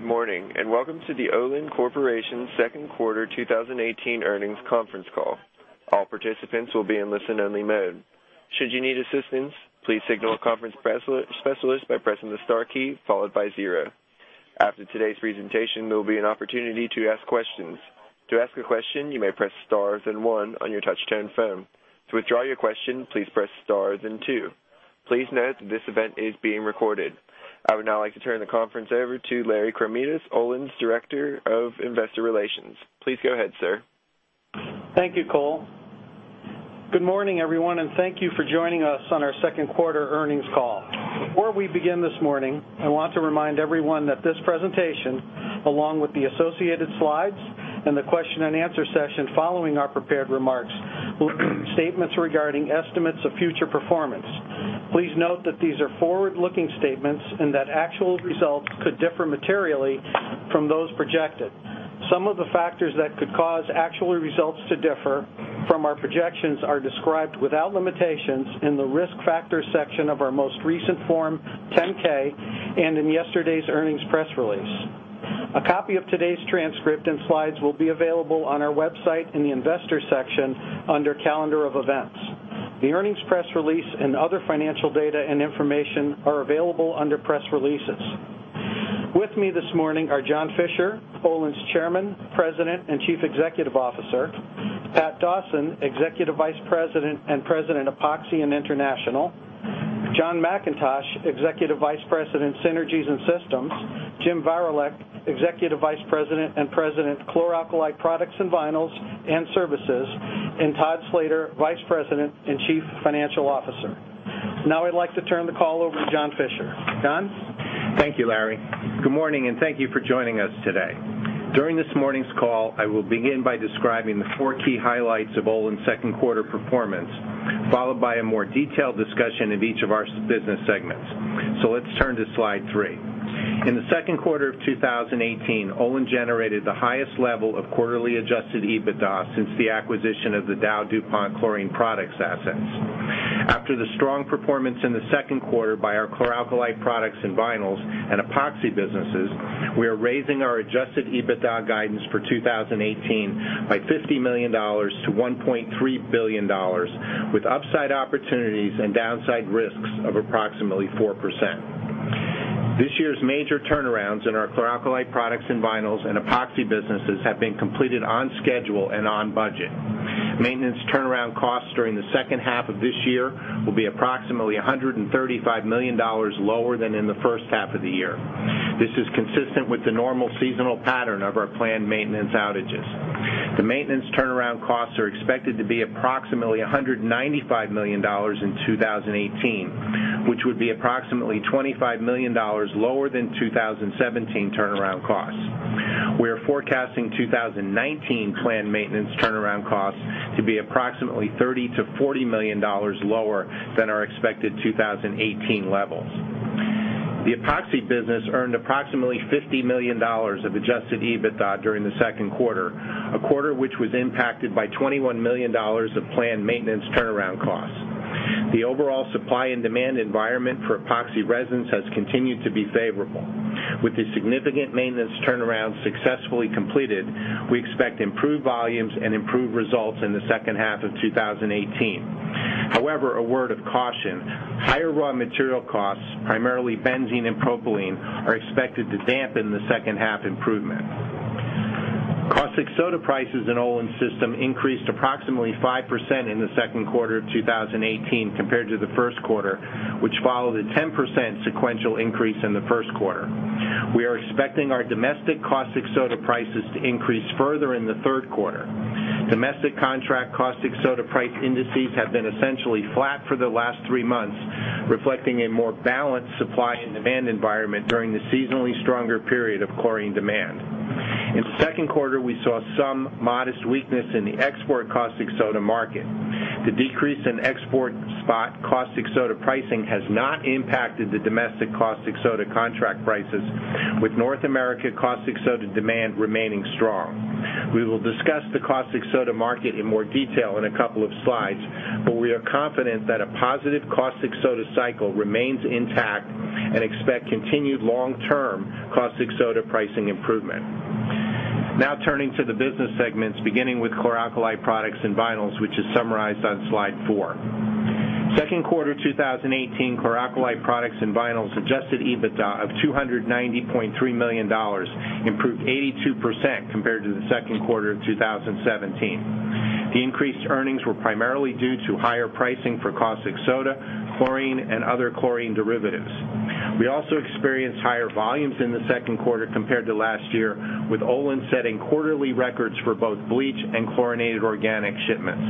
Good morning, and welcome to the Olin Corporation second quarter 2018 earnings conference call. All participants will be in listen only mode. Should you need assistance, please signal a conference specialist by pressing the star key followed by zero. After today's presentation, there will be an opportunity to ask questions. To ask a question, you may press star then one on your touchtone phone. To withdraw your question, please press star then two. Please note this event is being recorded. I would now like to turn the conference over to Larry Kromidas, Olin's Director of Investor Relations. Please go ahead, sir. Thank you, Cole. Good morning, everyone, and thank you for joining us on our second quarter earnings call. Before we begin this morning, I want to remind everyone that this presentation, along with the associated slides and the question and answer session following our prepared remarks, will include statements regarding estimates of future performance. Please note that these are forward-looking statements and that actual results could differ materially from those projected. Some of the factors that could cause actual results to differ from our projections are described without limitations in the Risk Factors section of our most recent Form 10-K, and in yesterday's earnings press release. A copy of today's transcript and slides will be available on our website in the Investors section under Calendar of Events. The earnings press release and other financial data and information are available under Press Releases. With me this morning are John Fischer, Olin's Chairman, President, and Chief Executive Officer; Pat Dawson, Executive Vice President and President, Epoxy and International; John McIntosh, Executive Vice President, Synergies and Systems; James Varilek, Executive Vice President and President, Chlor Alkali Products and Vinyls and Services; and Todd Slater, Vice President and Chief Financial Officer. Now I'd like to turn the call over to John Fischer. John? Thank you, Larry. Good morning, and thank you for joining us today. During this morning's call, I will begin by describing the four key highlights of Olin's second quarter performance, followed by a more detailed discussion of each of our business segments. Let's turn to slide three. In the second quarter of 2018, Olin generated the highest level of quarterly adjusted EBITDA since the acquisition of the Dow Chlorine Products assets. After the strong performance in the second quarter by our Chlor Alkali Products and Vinyls and Epoxy businesses, we are raising our adjusted EBITDA guidance for 2018 by $50 million to $1.3 billion with upside opportunities and downside risks of approximately 4%. This year's major turnarounds in our Chlor Alkali Products and Vinyls and Epoxy businesses have been completed on schedule and on budget. Maintenance turnaround costs during the second half of this year will be approximately $135 million lower than in the first half of the year. This is consistent with the normal seasonal pattern of our planned maintenance outages. The maintenance turnaround costs are expected to be approximately $195 million in 2018, which would be approximately $25 million lower than 2017 turnaround costs. We are forecasting 2019 planned maintenance turnaround costs to be approximately $30 million-$40 million lower than our expected 2018 levels. The epoxy business earned approximately $50 million of adjusted EBITDA during the second quarter, a quarter which was impacted by $21 million of planned maintenance turnaround costs. The overall supply and demand environment for epoxy resins has continued to be favorable. With the significant maintenance turnaround successfully completed, we expect improved volumes and improved results in the second half of 2018. A word of caution, higher raw material costs, primarily benzene and propylene, are expected to dampen the second half improvement. caustic soda prices in Olin's system increased approximately 5% in the second quarter of 2018 compared to the first quarter, which followed a 10% sequential increase in the first quarter. We are expecting our domestic caustic soda prices to increase further in the third quarter. Domestic contract caustic soda price indices have been essentially flat for the last three months, reflecting a more balanced supply and demand environment during the seasonally stronger period of chlorine demand. In the second quarter, we saw some modest weakness in the export caustic soda market. The decrease in export spot caustic soda pricing has not impacted the domestic caustic soda contract prices with North America caustic soda demand remaining strong. We will discuss the caustic soda market in more detail in a couple of slides. We are confident that a positive caustic soda cycle remains intact and expect continued long-term caustic soda pricing improvement. Now turning to the business segments, beginning with Chlor Alkali Products and Vinyls, which is summarized on slide four. Second quarter 2018 Chlor Alkali Products and Vinyls adjusted EBITDA of $290.3 million improved 82% compared to the second quarter of 2017. The increased earnings were primarily due to higher pricing for caustic soda, chlorine, and other chlorine derivatives. We also experienced higher volumes in the second quarter compared to last year, with Olin setting quarterly records for both bleach and chlorinated organics shipments.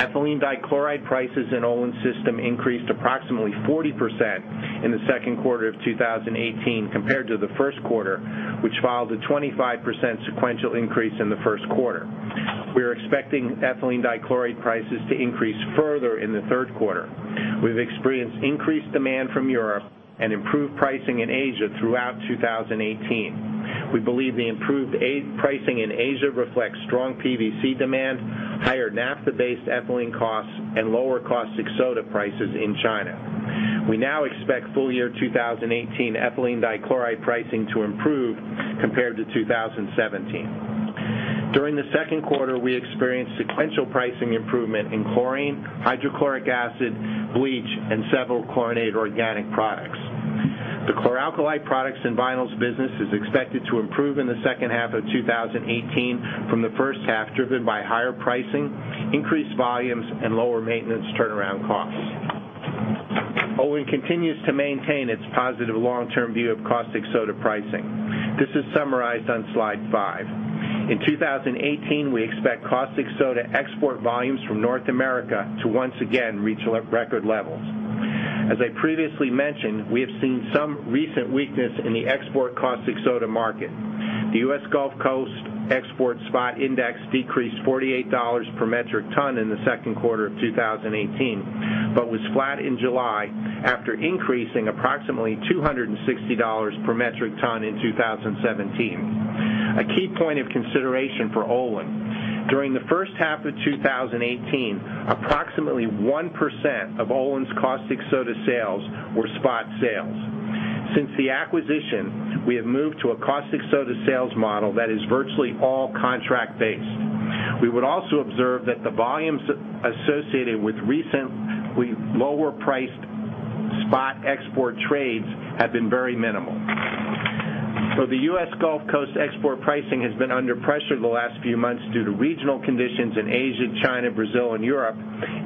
ethylene dichloride prices in Olin's system increased approximately 40% in the second quarter of 2018 compared to the first quarter, which followed a 25% sequential increase in the first quarter. We are expecting ethylene dichloride prices to increase further in the third quarter. We've experienced increased demand from Europe and improved pricing in Asia throughout 2018. We believe the improved pricing in Asia reflects strong PVC demand, higher naphtha-based ethylene costs, and lower caustic soda prices in China. We now expect full year 2018 ethylene dichloride pricing to improve compared to 2017. During the second quarter, we experienced sequential pricing improvement in chlorine, hydrochloric acid, bleach, and several chlorinated organics products. The Chlor Alkali Products and Vinyls business is expected to improve in the second half of 2018 from the first half, driven by higher pricing, increased volumes, and lower maintenance turnaround costs. Olin continues to maintain its positive long-term view of caustic soda pricing. This is summarized on slide five. In 2018, we expect caustic soda export volumes from North America to once again reach record levels. As I previously mentioned, we have seen some recent weakness in the export caustic soda market. The U.S. Gulf Coast export spot index decreased $48 per metric ton in the second quarter of 2018, but was flat in July after increasing approximately $260 per metric ton in 2017. A key point of consideration for Olin, during the first half of 2018, approximately 1% of Olin's caustic soda sales were spot sales. Since the acquisition, we have moved to a caustic soda sales model that is virtually all contract-based. We would also observe that the volumes associated with recent lower priced spot export trades have been very minimal. The U.S. Gulf Coast export pricing has been under pressure the last few months due to regional conditions in Asia, China, Brazil, and Europe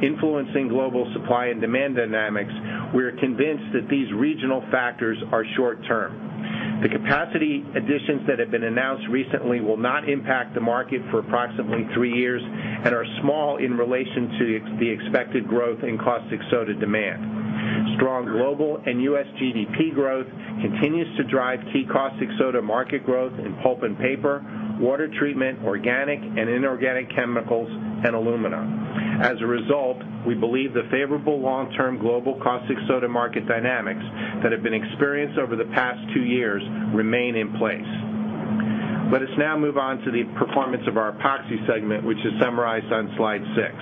influencing global supply and demand dynamics. We are convinced that these regional factors are short-term. The capacity additions that have been announced recently will not impact the market for approximately three years and are small in relation to the expected growth in caustic soda demand. Strong global and U.S. GDP growth continues to drive key caustic soda market growth in pulp and paper, water treatment, organic and inorganic chemicals, and aluminum. As a result, we believe the favorable long-term global caustic soda market dynamics that have been experienced over the past two years remain in place. Let us now move on to the performance of our Epoxy segment, which is summarized on slide six.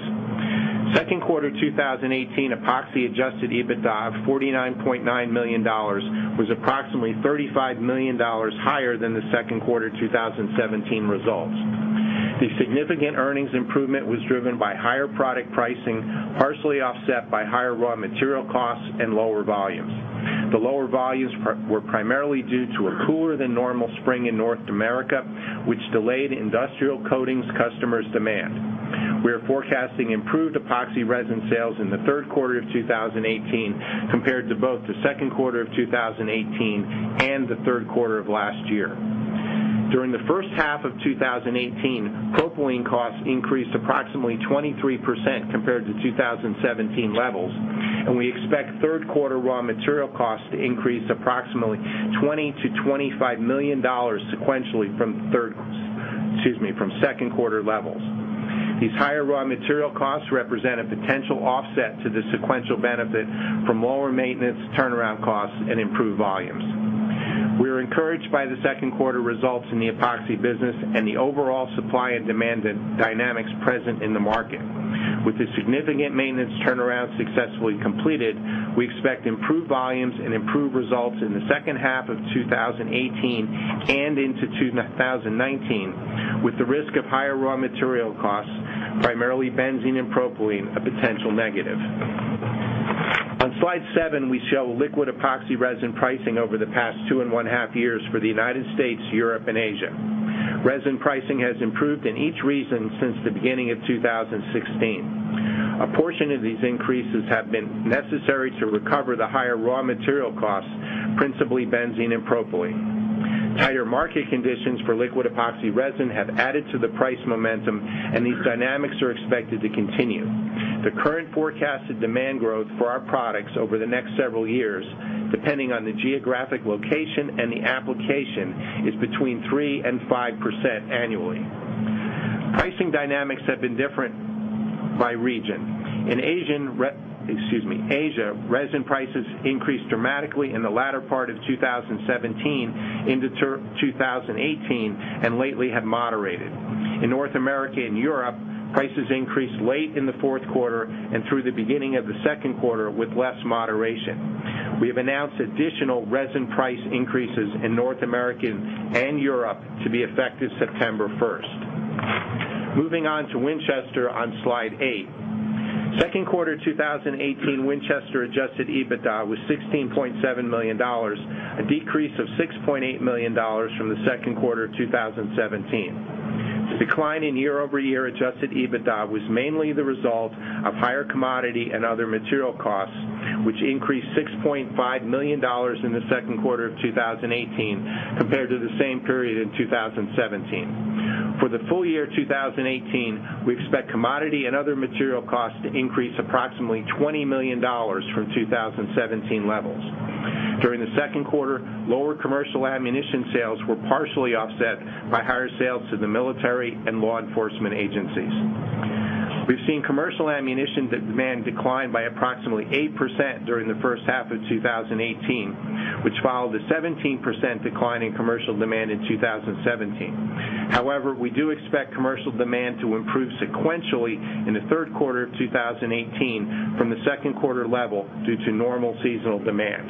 Second quarter 2018 Epoxy adjusted EBITDA of $49.9 million was approximately $35 million higher than the second quarter 2017 results. The significant earnings improvement was driven by higher product pricing, partially offset by higher raw material costs and lower volumes. The lower volumes were primarily due to a cooler than normal spring in North America, which delayed industrial coatings customers' demand. We are forecasting improved epoxy resin sales in the third quarter of 2018 compared to both the second quarter of 2018 and the third quarter of last year. During the first half of 2018, propylene costs increased approximately 23% compared to 2017 levels, and we expect third quarter raw material costs to increase approximately $20 million-$25 million sequentially from second quarter levels. These higher raw material costs represent a potential offset to the sequential benefit from lower maintenance turnaround costs and improved volumes. We are encouraged by the second quarter results in the Epoxy business and the overall supply and demand dynamics present in the market. With the significant maintenance turnaround successfully completed, we expect improved volumes and improved results in the second half of 2018 and into 2019, with the risk of higher raw material costs, primarily benzene and propylene, a potential negative. On slide seven, we show liquid epoxy resin pricing over the past two and one half years for the U.S., Europe, and Asia. Resin pricing has improved in each region since the beginning of 2016. A portion of these increases have been necessary to recover the higher raw material costs, principally benzene and propylene. Tighter market conditions for liquid epoxy resin have added to the price momentum, and these dynamics are expected to continue. The current forecasted demand growth for our products over the next several years, depending on the geographic location and the application, is between 3% and 5% annually. Pricing dynamics have been different by region. In Asia, resin prices increased dramatically in the latter part of 2017 into 2018, and lately have moderated. In North America and Europe, prices increased late in the fourth quarter and through the beginning of the second quarter with less moderation. We have announced additional resin price increases in North America and Europe to be effective September 1st. Moving on to Winchester on slide eight. Second quarter 2018 Winchester adjusted EBITDA was $16.7 million, a decrease of $6.8 million from the second quarter 2017. The decline in year-over-year adjusted EBITDA was mainly the result of higher commodity and other material costs, which increased $6.5 million in the second quarter of 2018 compared to the same period in 2017. For the full year 2018, we expect commodity and other material costs to increase approximately $20 million from 2017 levels. During the second quarter, lower commercial ammunition sales were partially offset by higher sales to the military and law enforcement agencies. We've seen commercial ammunition demand decline by approximately 8% during the first half of 2018, which followed a 17% decline in commercial demand in 2017. However, we do expect commercial demand to improve sequentially in the third quarter of 2018 from the second quarter level due to normal seasonal demand.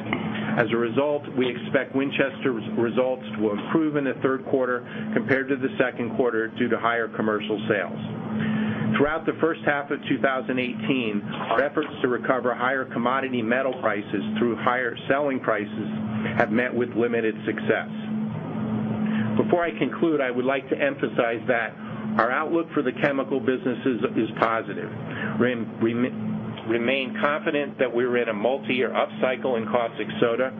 As a result, we expect Winchester results to improve in the third quarter compared to the second quarter due to higher commercial sales. Throughout the first half of 2018, our efforts to recover higher commodity metal prices through higher selling prices have met with limited success. Before I conclude, I would like to emphasize that our outlook for the chemical businesses is positive. We remain confident that we are in a multi-year upcycle in caustic soda.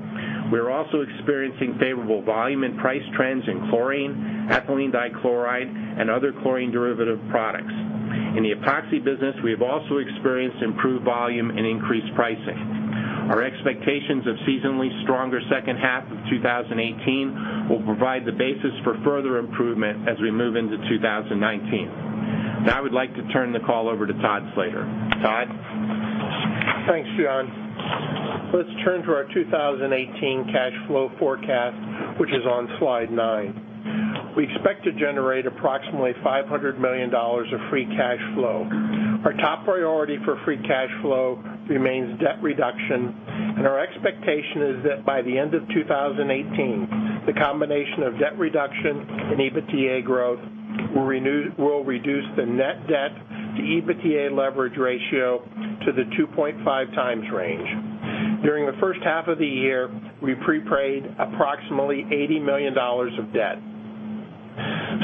We are also experiencing favorable volume and price trends in chlorine, ethylene dichloride, and other chlorine derivative products. In the epoxy business, we have also experienced improved volume and increased pricing. Our expectations of seasonally stronger second half of 2018 will provide the basis for further improvement as we move into 2019. Now I would like to turn the call over to Todd Slater. Todd? Thanks, John. Let's turn to our 2018 cash flow forecast, which is on slide nine. We expect to generate approximately $500 million of free cash flow. Our top priority for free cash flow remains debt reduction, and our expectation is that by the end of 2018, the combination of debt reduction and EBITDA growth will reduce the net debt to EBITDA leverage ratio to the 2.5 times range. During the first half of the year, we prepaid approximately $80 million of debt.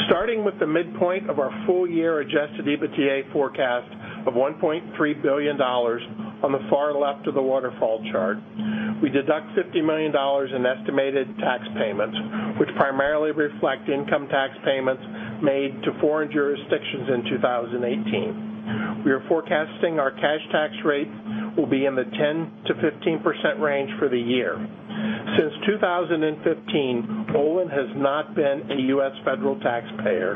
Starting with the midpoint of our full-year adjusted EBITDA forecast of $1.3 billion on the far left of the waterfall chart, we deduct $50 million in estimated tax payments, which primarily reflect income tax payments made to foreign jurisdictions in 2018. We are forecasting our cash tax rate will be in the 10% to 15% range for the year. Since 2015, Olin has not been a U.S. federal taxpayer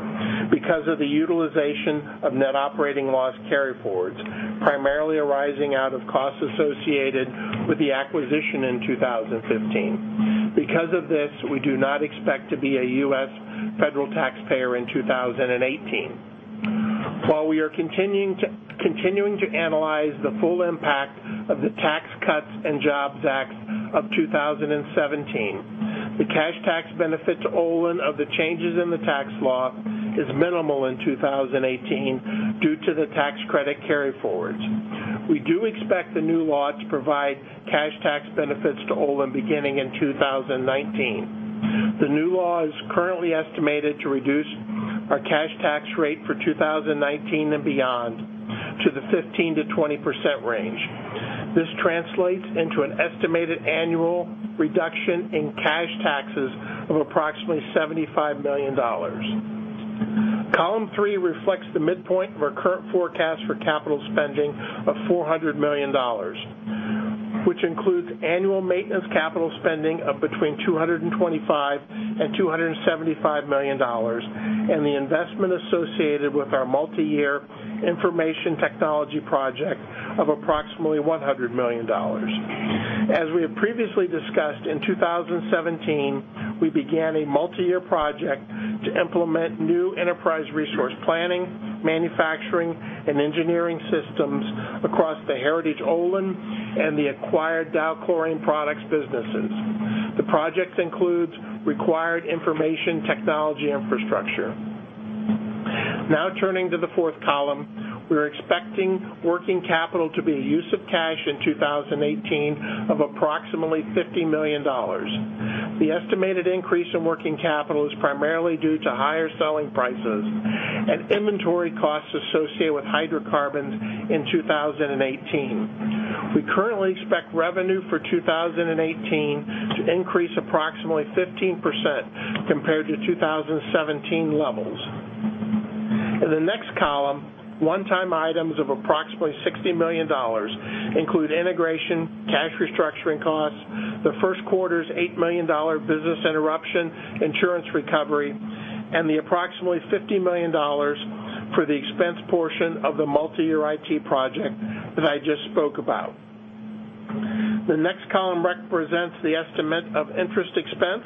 because of the utilization of net operating loss carryforwards, primarily arising out of costs associated with the acquisition in 2015. Because of this, we do not expect to be a U.S. federal taxpayer in 2018. While we are continuing to analyze the full impact of the Tax Cuts and Jobs Act of 2017, the cash tax benefit to Olin of the changes in the tax law is minimal in 2018 due to the tax credit carryforwards. We do expect the new law to provide cash tax benefits to Olin beginning in 2019. The new law is currently estimated to reduce our cash tax rate for 2019 and beyond to the 15%-20% range. This translates into an estimated annual reduction in cash taxes of approximately $75 million. Column three reflects the midpoint of our current forecast for capital spending of $400 million, which includes annual maintenance capital spending of between $225 million and $275 million, and the investment associated with our multi-year information technology project of approximately $100 million. As we have previously discussed, in 2017, we began a multi-year project to implement new enterprise resource planning, manufacturing, and engineering systems across the heritage Olin and the acquired Dow Chlorine Products businesses. The project includes required information technology infrastructure. Now turning to the fourth column, we are expecting working capital to be a use of cash in 2018 of approximately $50 million. The estimated increase in working capital is primarily due to higher selling prices and inventory costs associated with hydrocarbons in 2018. We currently expect revenue for 2018 to increase approximately 15% compared to 2017 levels. In the next column, one-time items of approximately $60 million include integration, cash restructuring costs, the first quarter's $8 million business interruption insurance recovery, and the approximately $50 million for the expense portion of the multi-year IT project that I just spoke about. The next column represents the estimate of interest expense.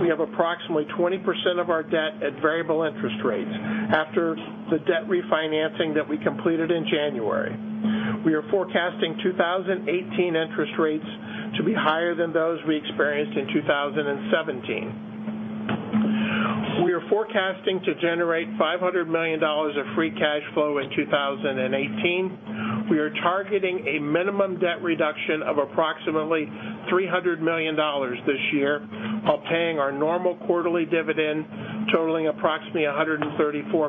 We have approximately 20% of our debt at variable interest rates after the debt refinancing that we completed in January. We are forecasting 2018 interest rates to be higher than those we experienced in 2017. We are forecasting to generate $500 million of free cash flow in 2018. We are targeting a minimum debt reduction of approximately $300 million this year while paying our normal quarterly dividend totaling approximately $134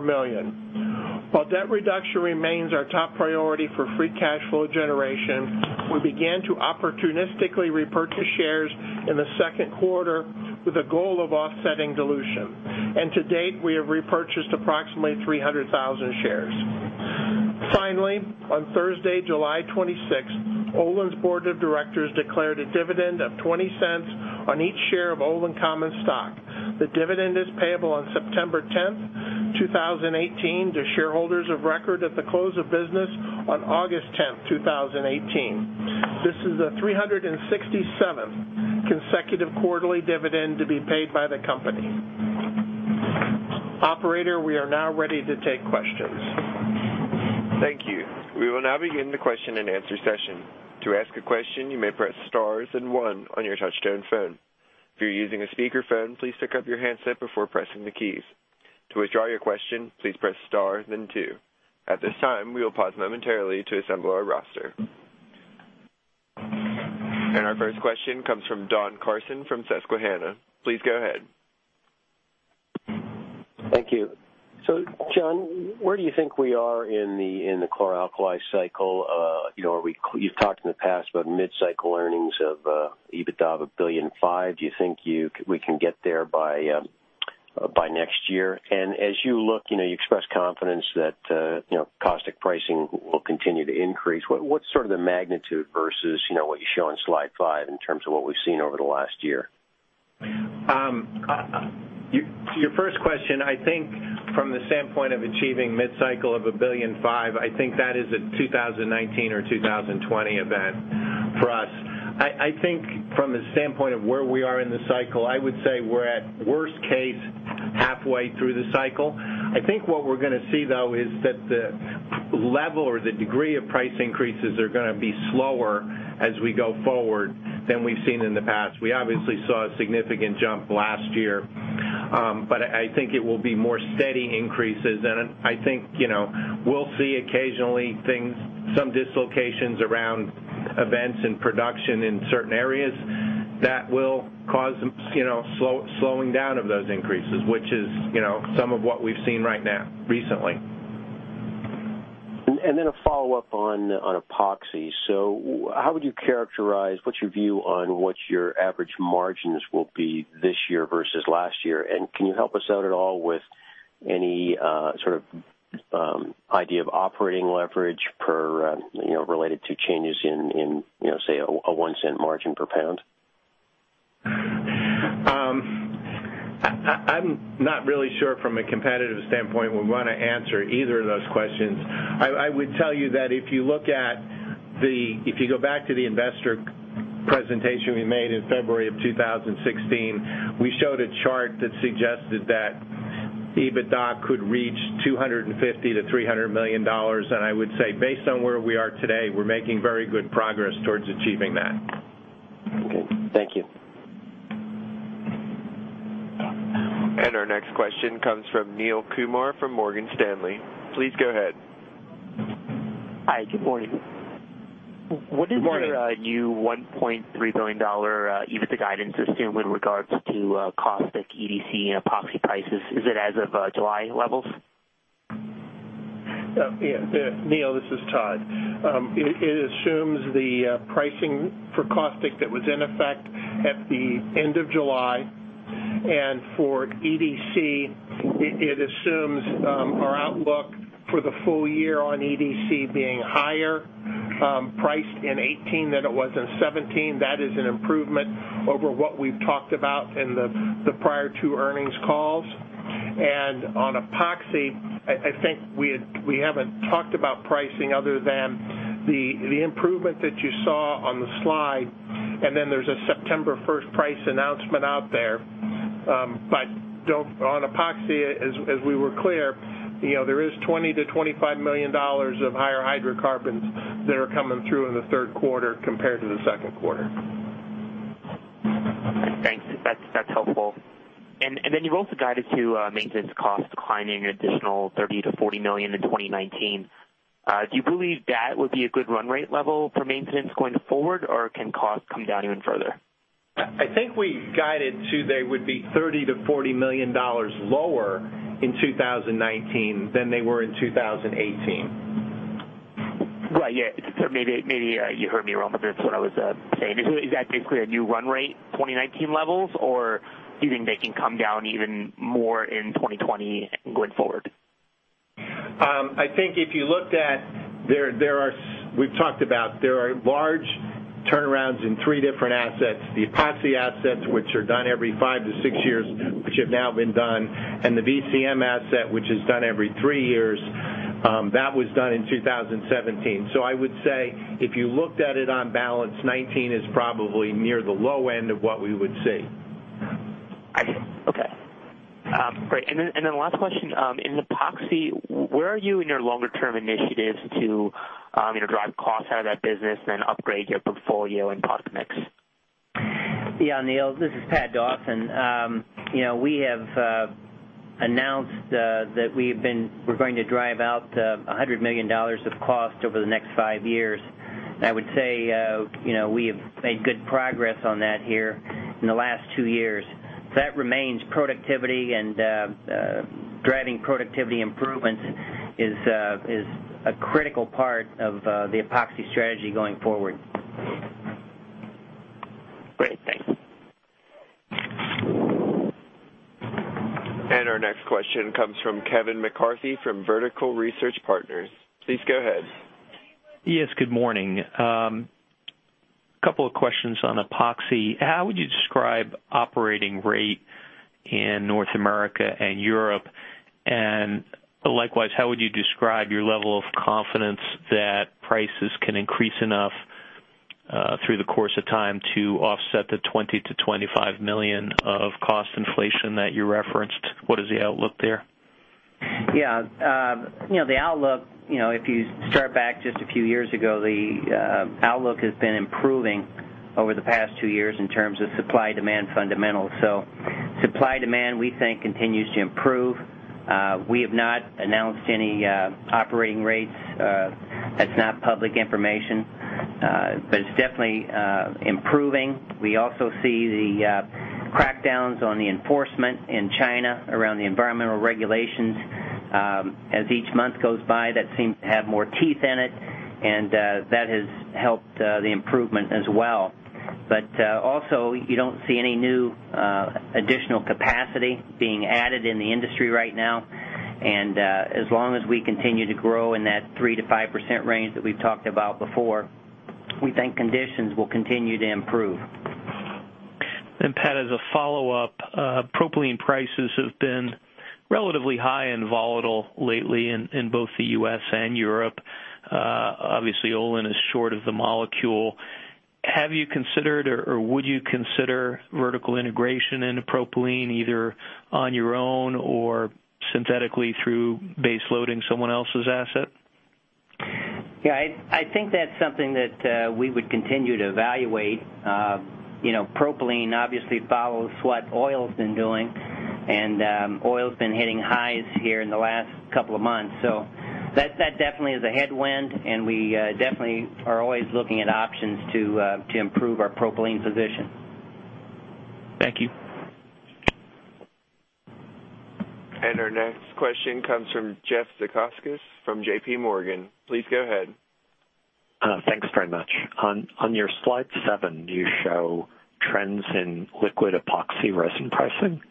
million. While debt reduction remains our top priority for free cash flow generation, we began to opportunistically repurchase shares in the second quarter with a goal of offsetting dilution. To date, we have repurchased approximately 300,000 shares. Finally, on Thursday, July 26th, Olin's board of directors declared a dividend of $0.20 on each share of Olin common stock. The dividend is payable on September 10th, 2018 to shareholders of record at the close of business on August 10th, 2018. This is the 367th consecutive quarterly dividend to be paid by the company. Operator, we are now ready to take questions. Thank you. We will now begin the question and answer session. To ask a question, you may press star and one on your touchtone phone. If you're using a speakerphone, please pick up your handset before pressing the keys. To withdraw your question, please press star, then two. At this time, we will pause momentarily to assemble our roster. Our first question comes from Don Carson from Susquehanna. Please go ahead. Thank you. John, where do you think we are in the chloralkali cycle? You've talked in the past about mid-cycle earnings of EBITDA of $1.5 billion. Do you think we can get there by next year? As you look, you express confidence that caustic pricing will continue to increase. What's sort of the magnitude versus what you show on slide five in terms of what we've seen over the last year? Your first question, I think from the standpoint of achieving mid-cycle of $1.5 billion, I think that is a 2019 or 2020 event for us. I think from the standpoint of where we are in the cycle, I would say we're at worst case, halfway through the cycle. I think what we're going to see, though, is that the level or the degree of price increases are going to be slower as we go forward than we've seen in the past. We obviously saw a significant jump last year. I think it will be more steady increases. I think we'll see occasionally some dislocations around events and production in certain areas that will cause slowing down of those increases, which is some of what we've seen right now recently. A follow-up on epoxy. How would you characterize, what's your view on what your average margins will be this year versus last year? Can you help us out at all with any sort of idea of operating leverage per related to changes in, say, a $0.01 margin per pound? I'm not really sure from a competitive standpoint we want to answer either of those questions. I would tell you that if you go back to the investor presentation we made in February of 2016, we showed a chart that suggested that EBITDA could reach $250 million-$300 million. I would say based on where we are today, we're making very good progress towards achieving that. Okay. Thank you. Our next question comes from Neel Kumar from Morgan Stanley. Please go ahead. Hi. Good morning. Good morning. What is your new $1.3 billion EBITDA guidance assume in regards to caustic EDC and epoxy prices? Is it as of July levels? Yeah, Neel, this is Todd. It assumes the pricing for caustic that was in effect at the end of July. For EDC, it assumes our outlook for the full year on EDC being higher priced in 2018 than it was in 2017. That is an improvement over what we've talked about in the prior two earnings calls. On epoxy, I think we haven't talked about pricing other than the improvement that you saw on the slide. Then there's a September 1st price announcement out there. On epoxy, as we were clear, there is $20 million-$25 million of higher hydrocarbons that are coming through in the third quarter compared to the second quarter. Thanks. That's helpful. You've also guided to maintenance costs declining an additional $30 million to $40 million in 2019. Do you believe that would be a good run rate level for maintenance going forward, or can costs come down even further? I think we guided to they would be $30 million to $40 million lower in 2019 than they were in 2018. Right. Yeah. Maybe you heard me wrong, that's what I was saying. Is that basically a new run rate 2019 levels, do you think they can come down even more in 2020 going forward? We've talked about there are large turnarounds in three different assets, the epoxy assets, which are done every five to six years, which have now been done, the VCM asset, which is done every three years. That was done in 2017. I would say if you looked at it on balance, 2019 is probably near the low end of what we would see. I see. Okay. Great. Last question. In epoxy, where are you in your longer term initiatives to drive costs out of that business, then upgrade your portfolio and product mix? Yeah, Neel, this is Pat Dawson. We have announced that we're going to drive out $100 million of cost over the next five years. I would say we have made good progress on that here in the last two years. That remains productivity, and driving productivity improvements is a critical part of the epoxy strategy going forward. Great. Thank you. Our next question comes from Kevin McCarthy from Vertical Research Partners. Please go ahead. Yes. Good morning. Couple of questions on epoxy. How would you describe operating rate in North America and Europe? Likewise, how would you describe your level of confidence that prices can increase enough through the course of time to offset the $20 million-$25 million of cost inflation that you referenced? What is the outlook there? The outlook, if you start back just a few years ago, the outlook has been improving over the past two years in terms of supply-demand fundamentals. Supply-demand, we think, continues to improve. We have not announced any operating rates. That's not public information. It's definitely improving. We also see the crackdowns on the enforcement in China around the environmental regulations. As each month goes by, that seems to have more teeth in it, and that has helped the improvement as well. Also, you don't see any new additional capacity being added in the industry right now, and as long as we continue to grow in that 3%-5% range that we've talked about before, we think conditions will continue to improve. Pat, as a follow-up, propylene prices have been relatively high and volatile lately in both the U.S. and Europe. Obviously, Olin is short of the molecule. Have you considered or would you consider vertical integration into propylene, either on your own or synthetically through base loading someone else's asset? I think that's something that we would continue to evaluate. Propylene obviously follows what oil's been doing, and oil's been hitting highs here in the last couple of months. That definitely is a headwind, and we definitely are always looking at options to improve our propylene position. Thank you. Our next question comes from Jeff Zekauskas from JPMorgan. Please go ahead. Thanks very much. On your slide seven, you show trends in liquid epoxy resin pricing,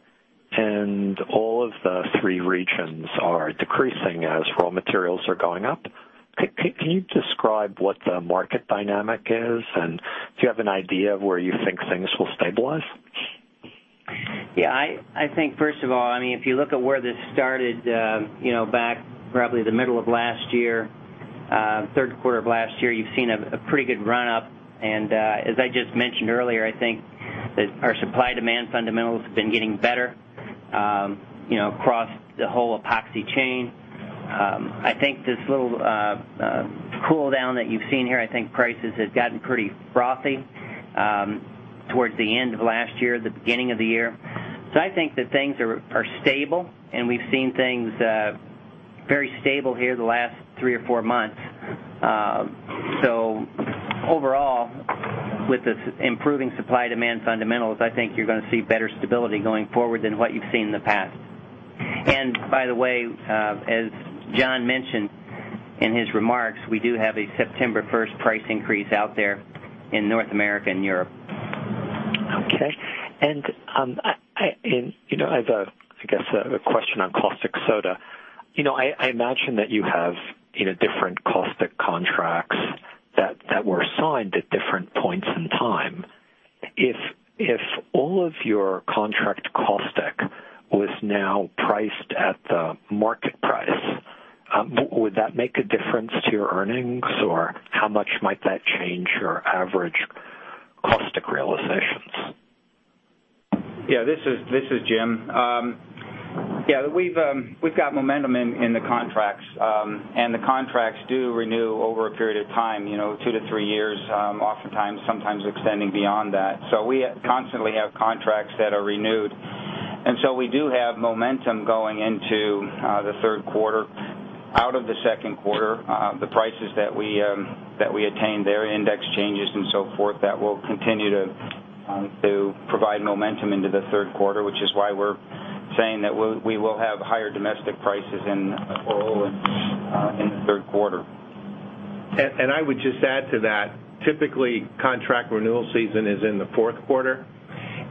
and all of the three regions are decreasing as raw materials are going up. Can you describe what the market dynamic is, and do you have an idea of where you think things will stabilize? Yeah. I think first of all, if you look at where this started, back probably the middle of last year, third quarter of last year, you've seen a pretty good run-up, and as I just mentioned earlier, I think that our supply-demand fundamentals have been getting better across the whole epoxy chain. I think this little cool down that you've seen here, I think prices had gotten pretty frothy towards the end of last year, the beginning of the year. I think that things are stable, and we've seen things very stable here the last three or four months. Overall, with the improving supply-demand fundamentals, I think you're going to see better stability going forward than what you've seen in the past. By the way, as John mentioned in his remarks, we do have a September 1st price increase out there in North America and Europe. Okay. I have, I guess, a question on caustic soda. I imagine that you have different caustic contracts that were signed at different points in time. If all of your contract caustic was now priced at the market price, would that make a difference to your earnings, or how much might that change your average caustic realizations? Yeah. This is Jim. We've got momentum in the contracts. The contracts do renew over a period of time, two to three years oftentimes, sometimes extending beyond that. We constantly have contracts that are renewed. We do have momentum going into the third quarter. Out of the second quarter, the prices that we attained, their index changes and so forth, that will continue to provide momentum into the third quarter, which is why we're saying that we will have higher domestic prices in Olin in the third quarter. I would just add to that. Typically, contract renewal season is in the fourth quarter.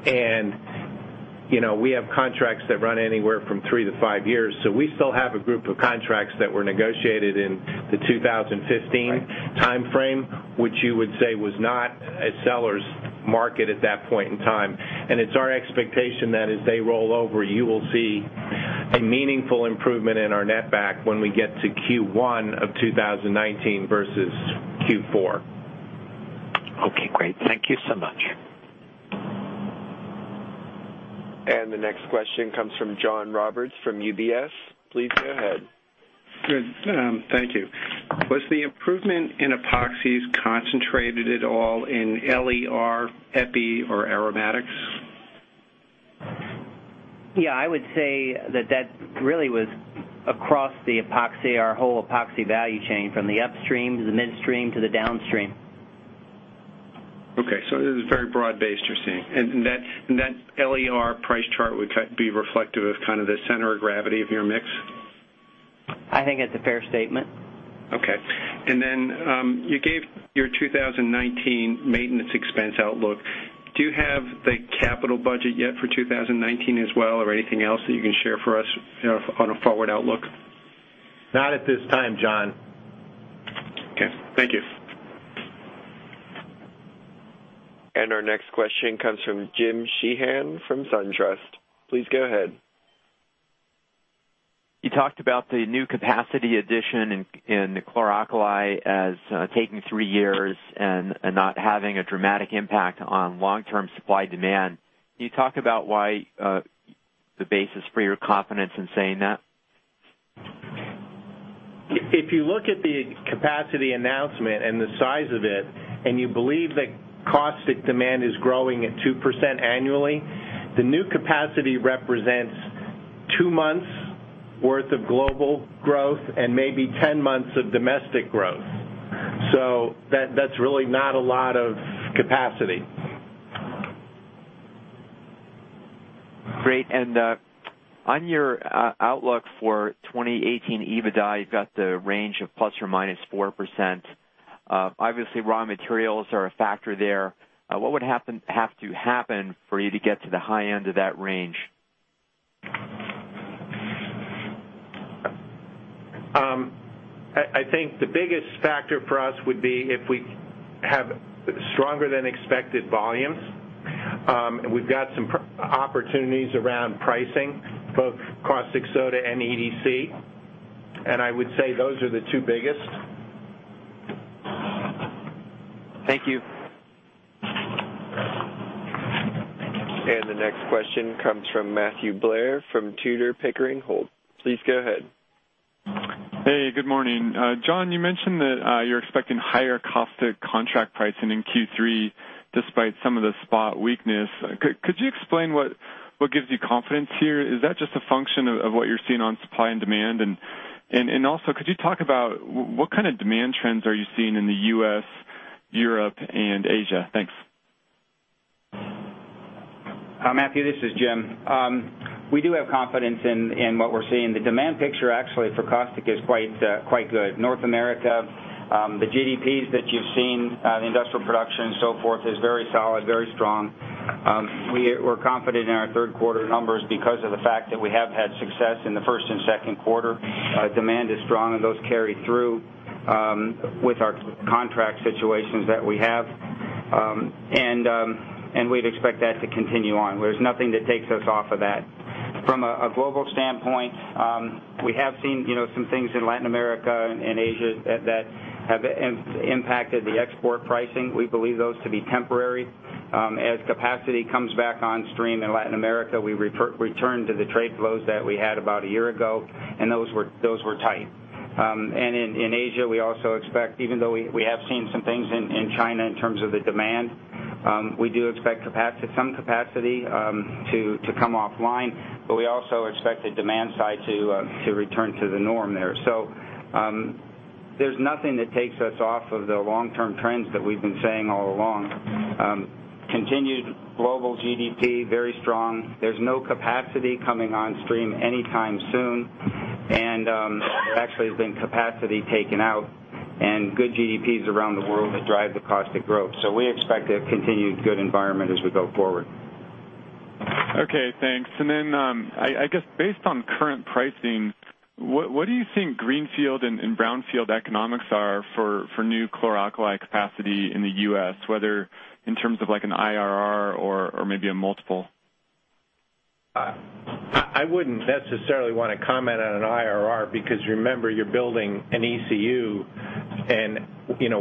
We have contracts that run anywhere from three to five years. We still have a group of contracts that were negotiated in the 2015 timeframe, which you would say was not a seller's market at that point in time. It's our expectation that as they roll over, you will see a meaningful improvement in our net back when we get to Q1 of 2019 versus Q4. Okay, great. Thank you so much. The next question comes from John Roberts from UBS. Please go ahead. Good. Thank you. Was the improvement in epoxies concentrated at all in LER, epichlorohydrin, or aromatics? Yeah, I would say that that really was across the epoxy, our whole epoxy value chain, from the upstream to the midstream to the downstream. Okay, it is very broad based, you're seeing. That LER price chart would be reflective of kind of the center of gravity of your mix? I think it's a fair statement. Okay. Then, you gave your 2019 maintenance expense outlook. Do you have the capital budget yet for 2019 as well, or anything else that you can share for us on a forward outlook? Not at this time, John. Okay. Thank you. Our next question comes from James Sheehan from SunTrust. Please go ahead. You talked about the new capacity addition in the chlor alkali as taking three years and not having a dramatic impact on long-term supply demand. Can you talk about why the basis for your confidence in saying that? If you look at the capacity announcement and the size of it, you believe that caustic demand is growing at 2% annually, the new capacity represents two months' worth of global growth and maybe 10 months of domestic growth. That's really not a lot of capacity. Great. On your outlook for 2018 EBITDA, you've got the range of ±4%. Obviously, raw materials are a factor there. What would have to happen for you to get to the high end of that range? I think the biggest factor for us would be if we have stronger than expected volumes. We've got some opportunities around pricing, both caustic soda and EDC. I would say those are the two biggest. Thank you. The next question comes from Matthew Blair from Tudor, Pickering, Holt. Please go ahead. Hey, good morning. John, you mentioned that you're expecting higher caustic contract pricing in Q3 despite some of the spot weakness. Could you explain what gives you confidence here? Is that just a function of what you're seeing on supply and demand? Also could you talk about what kind of demand trends are you seeing in the U.S., Europe, and Asia? Thanks. Matthew, this is Jim. We do have confidence in what we're seeing. The demand picture actually for caustic is quite good. North America, the GDPs that you've seen, the industrial production, so forth, is very solid, very strong. We're confident in our third quarter numbers because of the fact that we have had success in the first and second quarter. Demand is strong, those carry through with our contract situations that we have. We'd expect that to continue on. There's nothing that takes us off of that. From a global standpoint, we have seen some things in Latin America and Asia that have impacted the export pricing. We believe those to be temporary. As capacity comes back on stream in Latin America, we return to the trade flows that we had about a year ago, and those were tight. In Asia, we also expect, even though we have seen some things in China in terms of the demand, we do expect some capacity to come offline. We also expect the demand side to return to the norm there. There's nothing that takes us off of the long-term trends that we've been saying all along. Continued global GDP, very strong. There's no capacity coming on stream anytime soon, and there actually has been capacity taken out and good GDPs around the world that drive the caustic growth. We expect a continued good environment as we go forward. Okay, thanks. I guess based on current pricing, what do you think greenfield and brownfield economics are for new chlor alkali capacity in the U.S., whether in terms of an IRR or maybe a multiple? I wouldn't necessarily want to comment on an IRR because remember, you're building an ECU and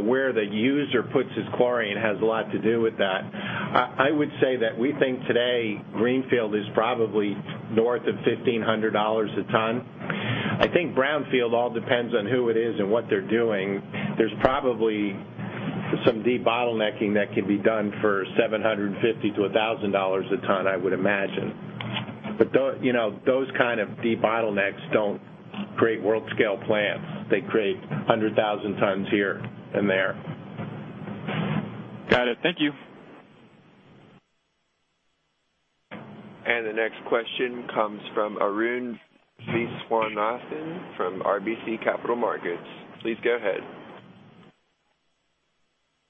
where the user puts his chlorine has a lot to do with that. I would say that we think today greenfield is probably north of $1,500 a ton. I think brownfield all depends on who it is and what they're doing. There's probably some de-bottlenecking that can be done for $750 to $1,000 a ton, I would imagine. Those kind of de-bottlenecks don't create world-scale plants. They create 100,000 tons here and there. Got it. Thank you. The next question comes from Arun Viswanathan from RBC Capital Markets. Please go ahead.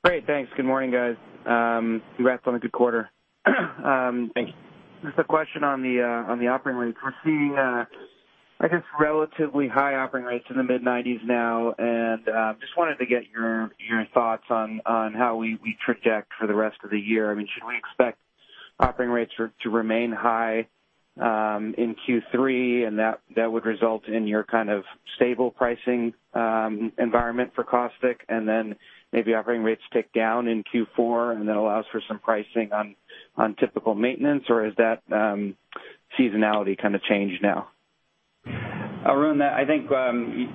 Great, thanks. Good morning, guys. Congrats on a good quarter. Thank you. Just a question on the operating rates. We're seeing, I guess, relatively high operating rates in the mid-90s now. Just wanted to get your thoughts on how we traject for the rest of the year. Should we expect operating rates to remain high in Q3, and that would result in your stable pricing environment for caustic? Maybe operating rates tick down in Q4, and that allows for some pricing on typical maintenance? Has that seasonality changed now? Arun, I think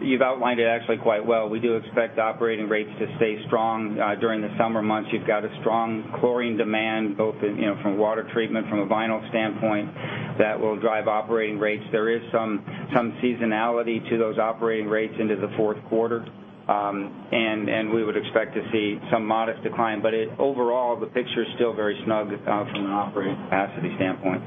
you've outlined it actually quite well. We do expect operating rates to stay strong during the summer months. You've got a strong chlorine demand, both from water treatment, from a vinyl standpoint, that will drive operating rates. There is some seasonality to those operating rates into the fourth quarter. We would expect to see some modest decline. Overall, the picture is still very snug from an operating capacity standpoint.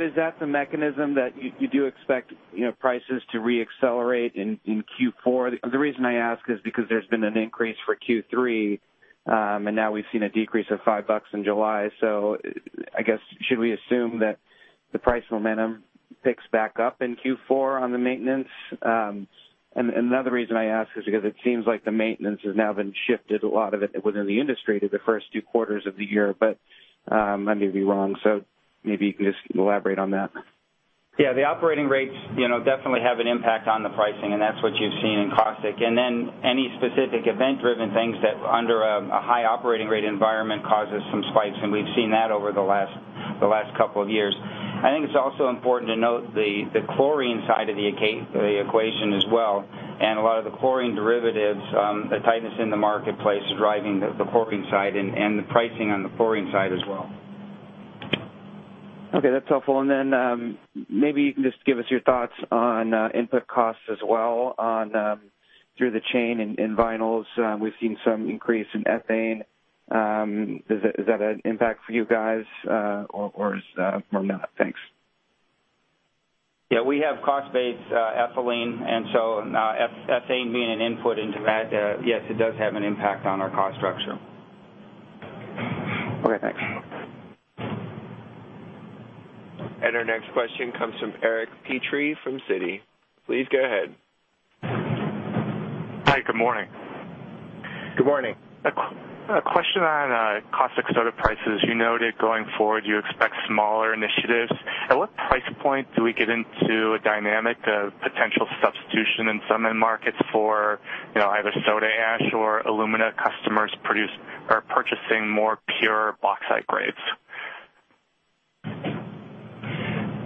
Is that the mechanism that you do expect prices to re-accelerate in Q4? The reason I ask is because there's been an increase for Q3, and now we've seen a decrease of $5 in July. I guess, should we assume that the price momentum picks back up in Q4 on the maintenance? Another reason I ask is because it seems like the maintenance has now been shifted, a lot of it within the industry, to the first two quarters of the year. I may be wrong, so maybe you can just elaborate on that. The operating rates definitely have an impact on the pricing, and that's what you've seen in caustic. Any specific event-driven things that under a high operating rate environment causes some spikes, and we've seen that over the last couple of years. I think it's also important to note the chlorine side of the equation as well, and a lot of the chlorine derivatives, the tightness in the marketplace is driving the chlorine side and the pricing on the chlorine side as well. Okay, that's helpful. Maybe you can just give us your thoughts on input costs as well through the chain in vinyls. We've seen some increase in ethane. Is that an impact for you guys or not? Thanks. We have cost-based ethylene, ethane being an input into that, yes, it does have an impact on our cost structure. Okay, thanks. Our next question comes from Eric Petrie from Citi. Please go ahead. Hi, good morning. Good morning. A question on caustic soda prices. You noted going forward, you expect smaller initiatives. At what price point do we get into a dynamic of potential substitution in some end markets for either soda ash or alumina customers purchasing more pure bauxite grades?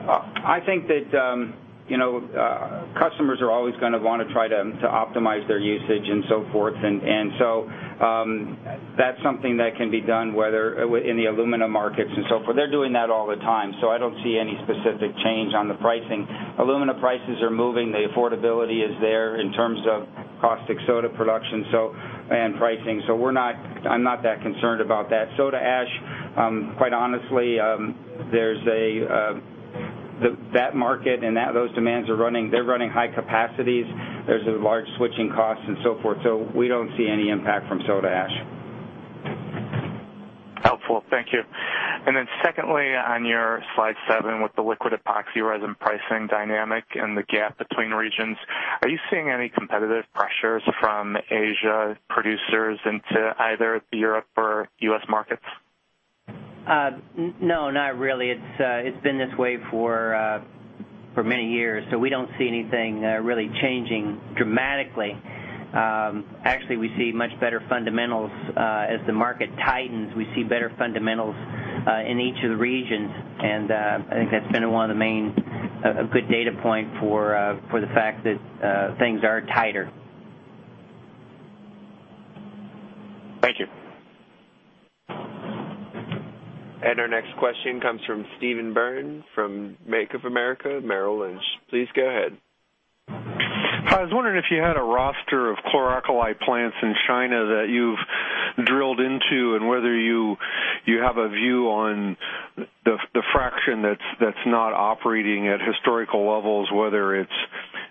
I think that customers are always going to want to try to optimize their usage and so forth. That's something that can be done, whether in the alumina markets and so forth. They're doing that all the time. I don't see any specific change on the pricing. Alumina prices are moving. The affordability is there in terms of caustic soda production and pricing. I'm not that concerned about that. Soda ash, quite honestly, that market and those demands, they're running high capacities. There's large switching costs and so forth. We don't see any impact from soda ash. Helpful. Thank you. Then secondly, on your slide seven with the liquid epoxy resin pricing dynamic and the gap between regions, are you seeing any competitive pressures from Asia producers into either Europe or U.S. markets? No, not really. It's been this way for many years, we don't see anything really changing dramatically. Actually, we see much better fundamentals. As the market tightens, we see better fundamentals in each of the regions, I think that's been a good data point for the fact that things are tighter. Thank you. Our next question comes from Steve Byrne from Bank of America Merrill Lynch. Please go ahead. I was wondering if you had a roster of chloralkali plants in China that you've drilled into and whether you have a view on the fraction that's not operating at historical levels, whether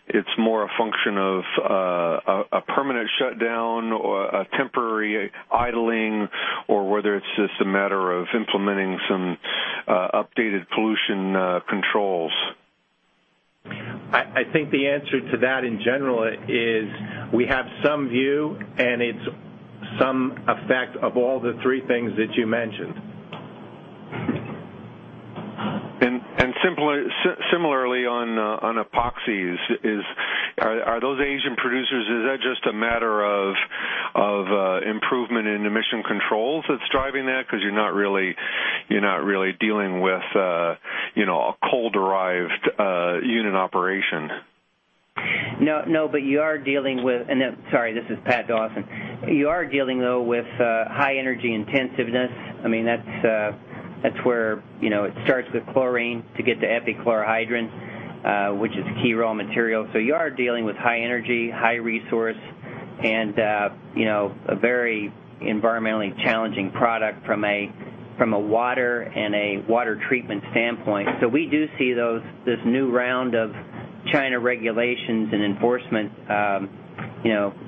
it's more a function of a permanent shutdown or a temporary idling, or whether it's just a matter of implementing some updated pollution controls. I think the answer to that in general is we have some view, it's some effect of all the three things that you mentioned. Similarly on epoxies, are those Asian producers, is that just a matter of improvement in emission controls that's driving that because you're not really dealing with a coal-derived unit operation? No, you are dealing with-- Sorry, this is Pat Dawson. You are dealing though with high energy intensiveness. That's where it starts with chlorine to get to epichlorohydrin, which is a key raw material. You are dealing with high energy, high resource, and a very environmentally challenging product from a water and a water treatment standpoint. We do see this new round of China regulations and enforcement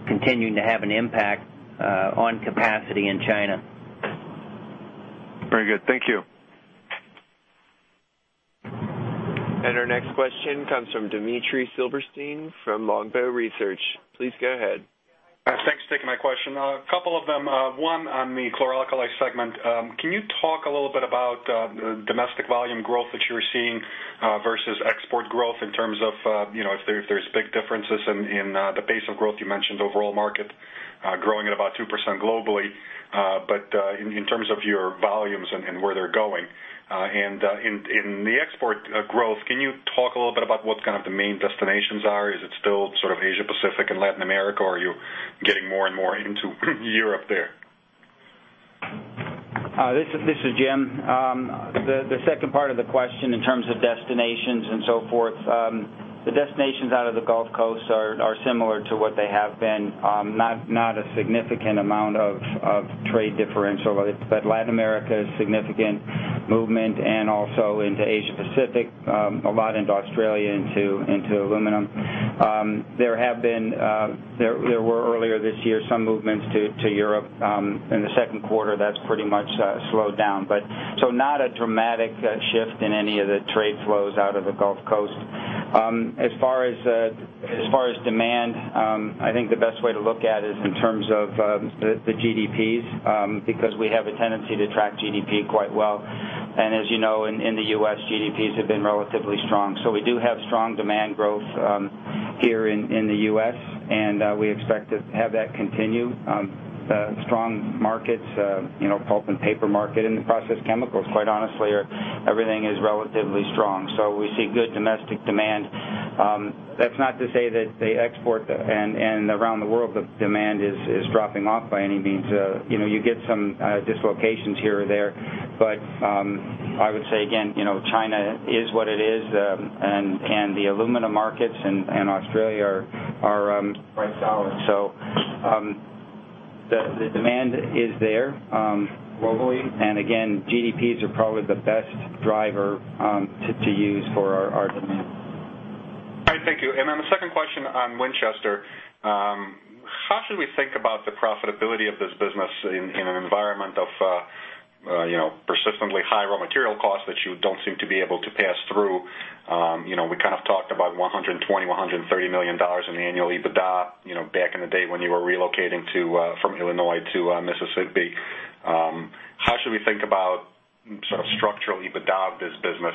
continuing to have an impact on capacity in China. Very good. Thank you. Our next question comes from Dmitry Silversteynn from Longbow Research. Please go ahead. Thanks for taking my question. A couple of them. One on the chloralkali segment. Can you talk a little bit about domestic volume growth that you're seeing versus export growth in terms of if there's big differences in the pace of growth? You mentioned overall market growing at about 2% globally. In terms of your volumes and where they're going. In the export growth, can you talk a little bit about what's kind of the main destinations are? Is it still sort of Asia-Pacific and Latin America, or are you getting more and more into Europe there? This is Jim. The second part of the question in terms of destinations and so forth. The destinations out of the Gulf Coast are similar to what they have been. Not a significant amount of trade differential, but Latin America is significant movement and also into Asia-Pacific. A lot into Australia, into aluminum. There were earlier this year, some movements to Europe. In the second quarter, that's pretty much slowed down. Not a dramatic shift in any of the trade flows out of the Gulf Coast. As far as demand, I think the best way to look at it is in terms of the GDPs, because we have a tendency to track GDP quite well. As you know, in the U.S., GDPs have been relatively strong. We do have strong demand growth here in the U.S., and we expect to have that continue. The strong markets, pulp and paper market and the process chemicals, quite honestly, everything is relatively strong. We see good domestic demand. That's not to say that the export and around the world the demand is dropping off by any means. You get some dislocations here or there. I would say again, China is what it is, and the alumina markets in Australia are quite solid. The demand is there globally. Again, GDPs are probably the best driver to use for our demand. All right. Thank you. The second question on Winchester. How should we think about the profitability of this business in an environment of persistently high raw material costs that you don't seem to be able to pass through? We kind of talked about $120 million-$130 million in annual EBITDA back in the day when you were relocating from Illinois to Mississippi. How should we think about sort of structural EBITDA of this business,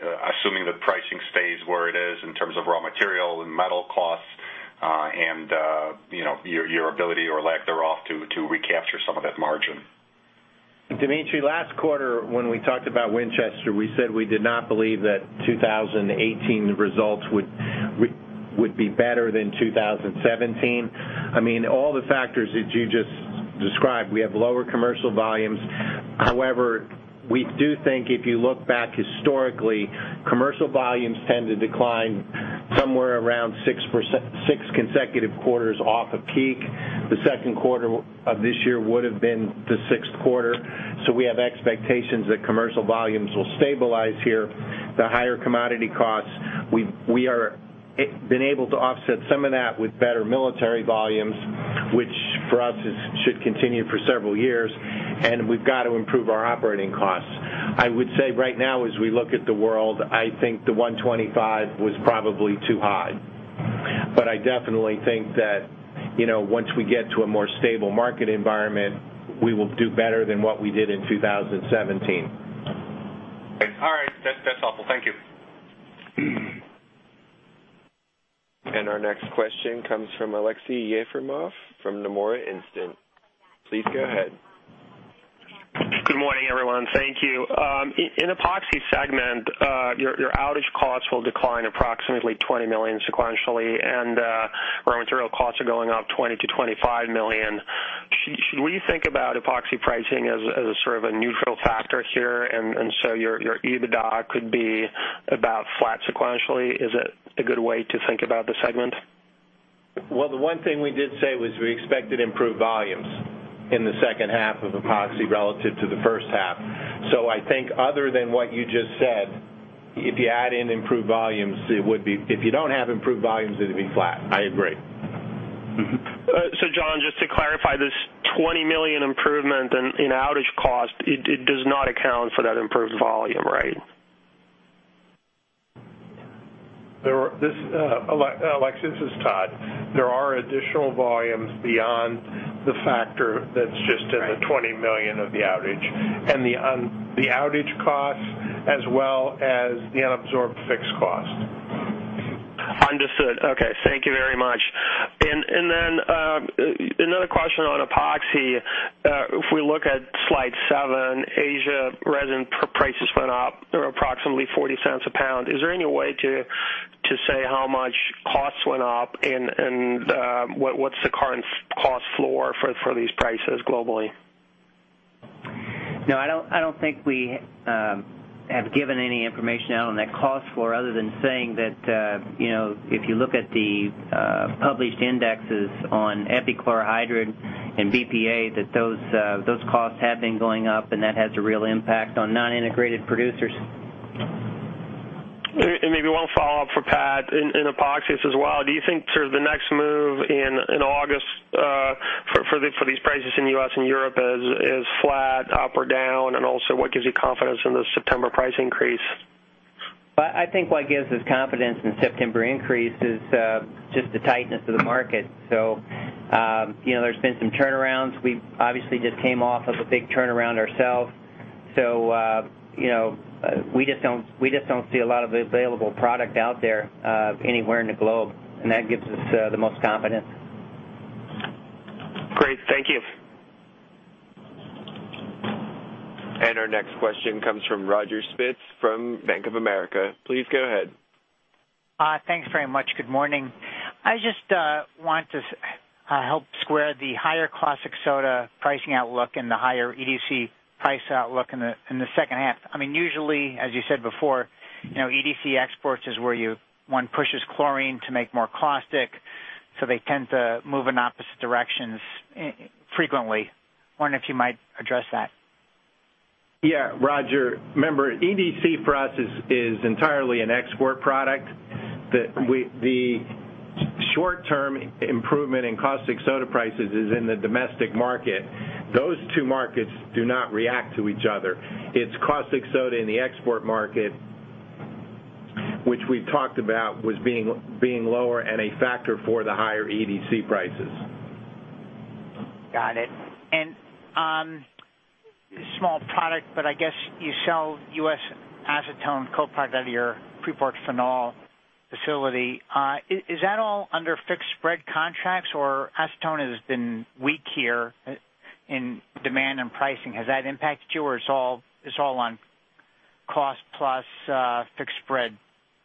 assuming the pricing stays where it is in terms of raw material and metal costs, and your ability or lack thereof to recapture some of that margin? Dmitry, last quarter when we talked about Winchester, we said we did not believe that 2018 results would be better than 2017. All the factors that you just described, we have lower commercial volumes. However, we do think if you look back historically, commercial volumes tend to decline somewhere around six consecutive quarters off of peak. The second quarter of this year would have been the sixth quarter. We have expectations that commercial volumes will stabilize here. The higher commodity costs, we are been able to offset some of that with better military volumes, which for us should continue for several years. We've got to improve our operating costs. I would say right now, as we look at the world, I think the $125 million was probably too high. I definitely think that once we get to a more stable market environment, we will do better than what we did in 2017. All right. That's helpful. Thank you. Our next question comes from Aleksey Yefremov from Nomura Instinet. Please go ahead. Good morning, everyone. Thank you. In Epoxy segment, your outage costs will decline approximately $20 million sequentially, raw material costs are going up $20 million-$25 million. Should we think about Epoxy pricing as sort of a neutral factor here, your EBITDA could be about flat sequentially? Is it a good way to think about the segment? Well, the one thing we did say was we expected improved volumes in the second half of Epoxy relative to the first half. I think other than what you just said, if you don't have improved volumes, it'd be flat. I agree. John, just to clarify, this $20 million improvement in outage cost, it does not account for that improved volume, right? Aleksey, this is Todd. There are additional volumes beyond the factor that's just in the $20 million of the outage. The outage costs as well as the unabsorbed fixed cost. Understood. Okay. Thank you very much. Then another question on Epoxy. If we look at slide seven, Asia resin prices went up approximately $0.40 a pound. Is there any way to say how much costs went up and what's the current cost floor for these prices globally? No, I don't think we have given any information out on that cost floor other than saying that if you look at the published indexes on epichlorohydrin and BPA, that those costs have been going up, and that has a real impact on non-integrated producers. Maybe one follow-up for Pat in Epoxies as well. Do you think sort of the next move in August for these prices in U.S. and Europe is flat, up or down? Also, what gives you confidence in the September price increase? I think what gives us confidence in September increase is just the tightness of the market. There's been some turnarounds. We obviously just came off of a big turnaround ourselves. We just don't see a lot of available product out there anywhere in the globe, and that gives us the most confidence. Great. Thank you. Our next question comes from Roger Spitz from Bank of America. Please go ahead. Thanks very much. Good morning. I just want to help square the higher caustic soda pricing outlook and the higher EDC price outlook in the second half. Usually, as you said before, EDC exports is where one pushes chlorine to make more caustic, they tend to move in opposite directions frequently. Wondering if you might address that. Yeah. Roger, remember, EDC for us is entirely an export product. Right. Short-term improvement in caustic soda prices is in the domestic market. Those two markets do not react to each other. It's caustic soda in the export market, which we've talked about was being lower and a factor for the higher EDC prices. Got it. Small product, but I guess you sell U.S. acetone co-product out of your Freeport phenol facility. Is that all under fixed spread contracts or acetone has been weak here in demand and pricing. Has that impacted you or it's all on cost plus fixed spread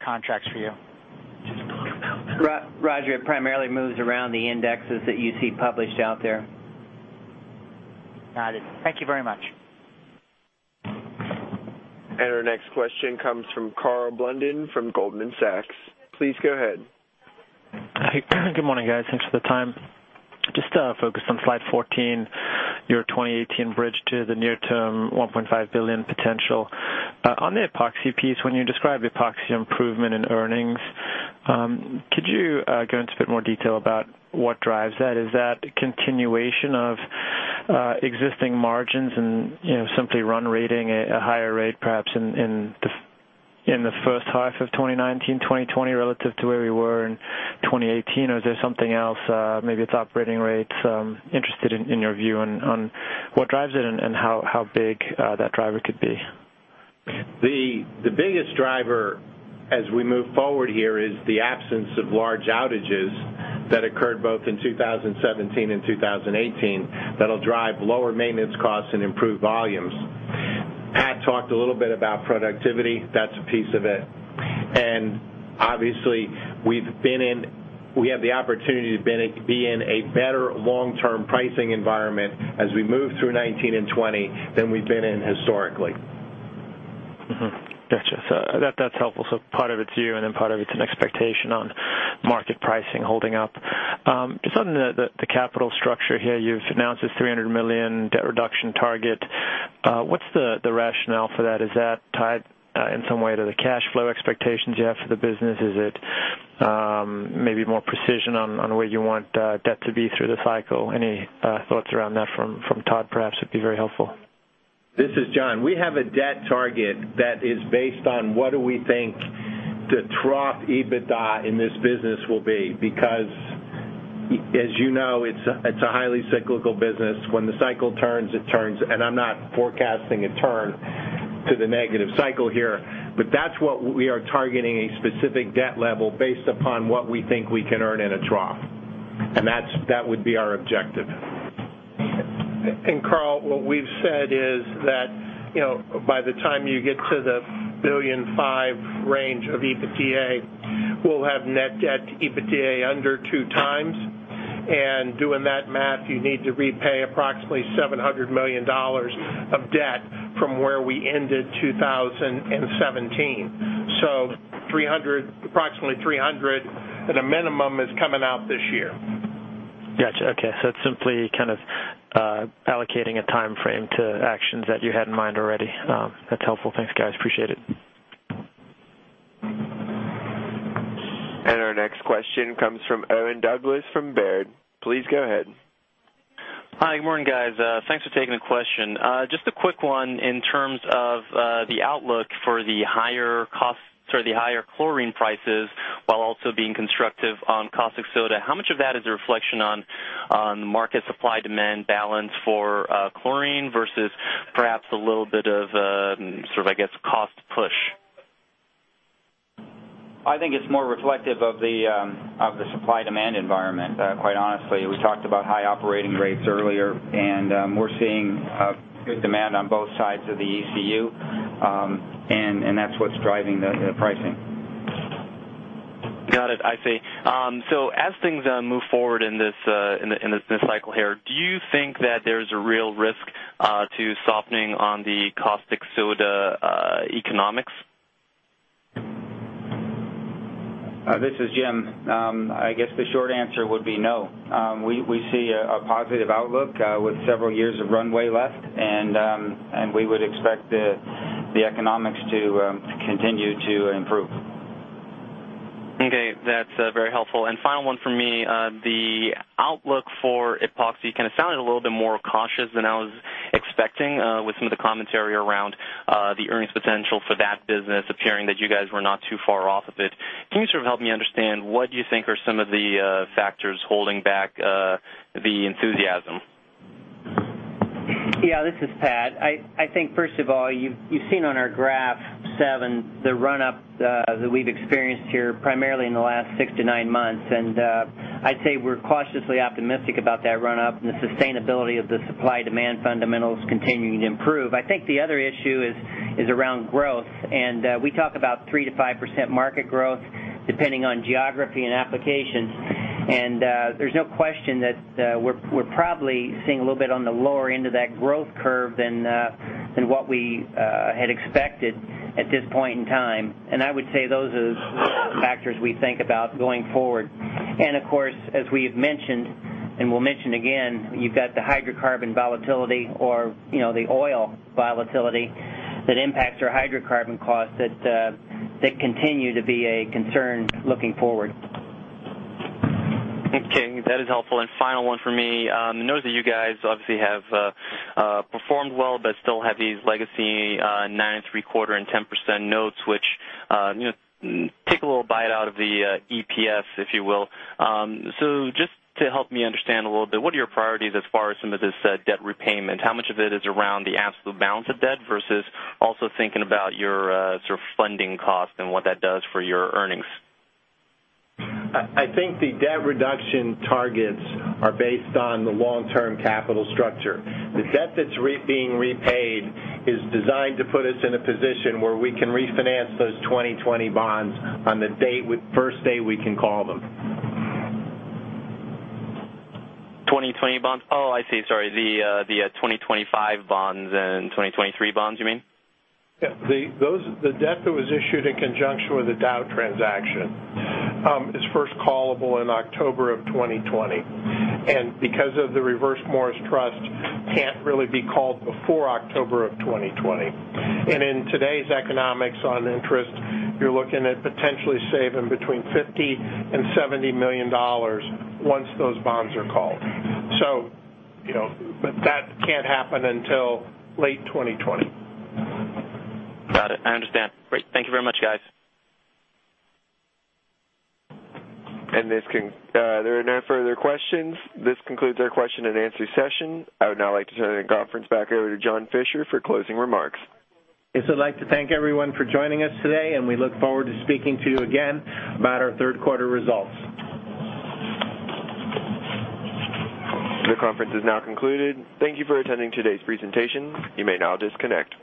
contracts for you? Roger, it primarily moves around the indexes that you see published out there. Got it. Thank you very much. Our next question comes from Karl Blunden from Goldman Sachs. Please go ahead. Good morning, guys. Thanks for the time. Just to focus on slide 14, your 2018 bridge to the near term $1.5 billion potential. On the Epoxy piece, when you describe Epoxy improvement in earnings, could you go into a bit more detail about what drives that? Is that a continuation of existing margins and simply run rating a higher rate perhaps in the first half of 2019, 2020 relative to where we were in 2018? Is there something else, maybe it's operating rates. Interested in your view on what drives it and how big that driver could be. The biggest driver as we move forward here is the absence of large outages that occurred both in 2017 and 2018 that'll drive lower maintenance costs and improve volumes. Pat talked a little bit about productivity. That's a piece of it. Obviously, we have the opportunity to be in a better long-term pricing environment as we move through 2019 and 2020 than we've been in historically. Gotcha. That's helpful. Part of it's you and then part of it's an expectation on market pricing holding up. Just on the capital structure here, you've announced this $300 million debt reduction target. What's the rationale for that? Is that tied in some way to the cash flow expectations you have for the business? Is it maybe more precision on where you want debt to be through the cycle? Any thoughts around that from Todd perhaps would be very helpful. This is John. We have a debt target that is based on what do we think the trough EBITDA in this business will be. As you know, it's a highly cyclical business. When the cycle turns, it turns, and I'm not forecasting a turn to the negative cycle here, but that's what we are targeting a specific debt level based upon what we think we can earn in a trough. That would be our objective. Karl, what we've said is that by the time you get to the $1.5 billion range of EBITDA, we'll have net debt to EBITDA under two times. Doing that math, you need to repay approximately $700 million of debt from where we ended 2017. Approximately $300 at a minimum is coming out this year. Got you. Okay. It's simply kind of allocating a timeframe to actions that you had in mind already. That's helpful. Thanks, guys. Appreciate it. Our next question comes from Don Carroll from Baird. Please go ahead. Hi, good morning, guys. Thanks for taking the question. Just a quick one in terms of the outlook for the higher chlorine prices while also being constructive on caustic soda. How much of that is a reflection on the market supply-demand balance for chlorine versus perhaps a little bit of sort of, I guess, cost push? I think it's more reflective of the supply-demand environment, quite honestly. We talked about high operating rates earlier, we're seeing good demand on both sides of the ECU, and that's what's driving the pricing. Got it. I see. As things move forward in this cycle here, do you think that there's a real risk to softening on the caustic soda economics? This is Jim. I guess the short answer would be no. We see a positive outlook with several years of runway left, and we would expect the economics to continue to improve. Okay. That's very helpful. Final one from me, the outlook for Epoxy kind of sounded a little bit more cautious than I was expecting with some of the commentary around the earnings potential for that business appearing that you guys were not too far off of it. Can you sort of help me understand what you think are some of the factors holding back the enthusiasm? Yeah, this is Pat. I think first of all, you've seen on our graph seven the run up that we've experienced here primarily in the last six to nine months. I'd say we're cautiously optimistic about that run up and the sustainability of the supply-demand fundamentals continuing to improve. I think the other issue is around growth. We talk about 3%-5% market growth depending on geography and applications. There's no question that we're probably seeing a little bit on the lower end of that growth curve than what we had expected at this point in time. I would say those are factors we think about going forward. Of course, as we've mentioned, and we'll mention again, you've got the hydrocarbon volatility or the oil volatility that impacts our hydrocarbon costs that continue to be a concern looking forward. Okay, that is helpful. Final one for me, I know that you guys obviously have performed well but still have these legacy 9.75% and 10% notes, which take a little bite out of the EPS, if you will. Just to help me understand a little bit, what are your priorities as far as some of this debt repayment? How much of it is around the absolute balance of debt versus also thinking about your sort of funding cost and what that does for your earnings? I think the debt reduction targets are based on the long-term capital structure. The debt that's being repaid is designed to put us in a position where we can refinance those 2020 bonds on the first day we can call them. 2020 bonds? Oh, I see. Sorry, the 2025 bonds and 2023 bonds, you mean? Yeah. The debt that was issued in conjunction with the Dow transaction, is first callable in October of 2020. Because of the Reverse Morris Trust, can't really be called before October of 2020. In today's economics on interest, you're looking at potentially saving between $50 million and $70 million once those bonds are called. That can't happen until late 2020. Got it. I understand. Great. Thank you very much, guys. There are no further questions. This concludes our question and answer session. I would now like to turn the conference back over to John Fischer for closing remarks. Yes, I'd like to thank everyone for joining us today. We look forward to speaking to you again about our third quarter results. The conference is now concluded. Thank you for attending today's presentation. You may now disconnect.